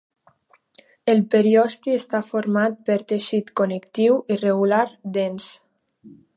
El periosti està format per teixit connectiu irregular dens.